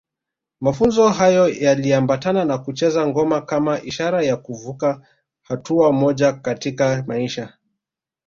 Mafunzo hayo yaliambatana na kucheza ngoma kama ishara ya kuvuka hatua moja katika maisha